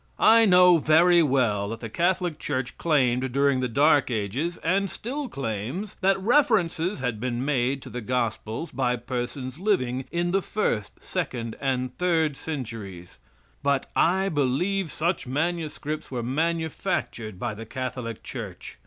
I know very well that the Catholic Church claimed during the Dark Ages, and still claims, that references had been made to the gospels by persons living in the first, second and third centuries; but I believe such manuscripts were manufactured by the Catholic Church.